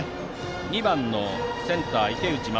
２番のセンター池内仁